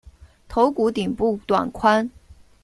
头骨顶部短宽。